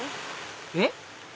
えっ？